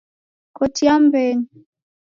Kotia mmbenyu